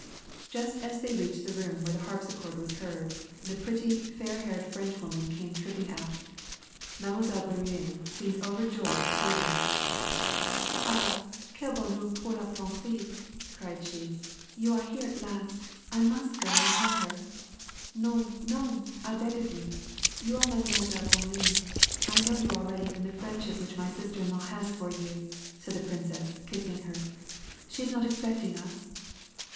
Just as they reached the room where the harpsichord was heard, the pretty, fair haired Frenchwoman came tripping out. Mile. Bourienne seemed overjoyed to see them. " Ah, quel honhenr pour la princessef she cried, "you are here at last. I must go and tell her." " NoTiy norij I beg of you ! You are Mile Bourienne ; I know you already from the friendship which my sister in law has for you," said the princess, kissing her; "she is not expect ing us